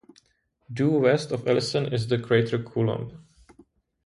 Due west of Ellison is the crater Coulomb.